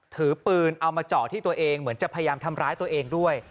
ถือปืนเอามาเจาะที่ตัวเองเหมือนจะพยายามทำร้ายตัวเองด้วย